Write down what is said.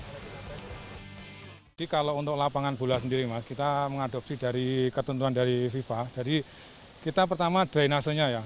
jadi kalau untuk lapangan bola sendiri mas kita mengadopsi dari ketentuan dari fifa jadi kita pertama drainasenya ya